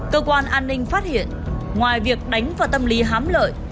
cơ quan an ninh phát hiện ngoài việc đánh vào tâm lý hám lợi